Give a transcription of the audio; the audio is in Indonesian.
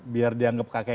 biar dianggap kakek